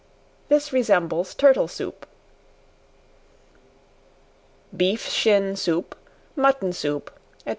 This resembles turtle soup. Beef Shin Soup, Mutton Soup, &c.